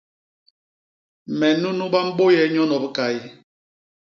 Me nunu ba mbôye nyono bikay.